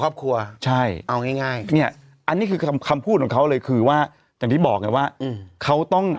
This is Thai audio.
ครอบครัวใช่เอาง่ายง่ายเนี่ยอันนี้คือคำคำพูดของเขาเลยคือว่าอย่างที่บอกไงว่าอืมเขาต้อง